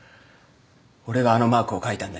俺があのマークを描いたんだ